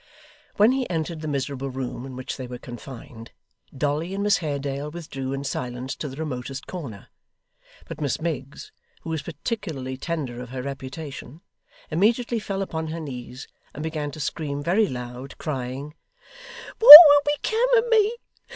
When he entered the miserable room in which they were confined, Dolly and Miss Haredale withdrew in silence to the remotest corner. But Miss Miggs, who was particularly tender of her reputation, immediately fell upon her knees and began to scream very loud, crying, 'What will become of me!